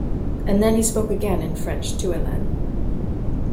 And then he spoke again in French to Helene.